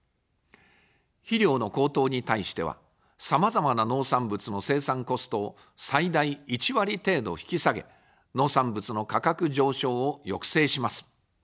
肥料の高騰に対しては、さまざまな農産物の生産コストを最大１割程度引き下げ、農産物の価格上昇を抑制します。